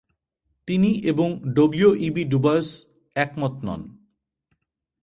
তিনি এবং W E B Du Bois একমত নন।